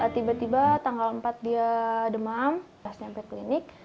tiba tiba tanggal empat dia demam pas sampai klinik